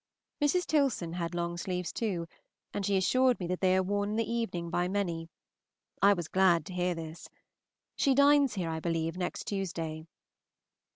Mrs. Tilson had long sleeves, too, and she assured me that they are worn in the evening by many. I was glad to hear this. She dines here, I believe, next Tuesday.